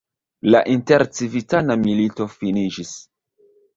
La intercivitana milito finiĝis.